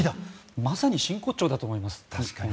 まさに真骨頂だと思います。